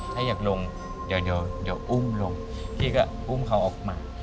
ถ้าอยากลงเดี๋ยวอุ้มลงพี่ก็อุ้มเขาออกมา